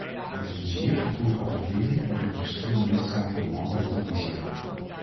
Dit is een zeer gevoelige materie waarin de verschillende lidstaten een andere traditie hebben.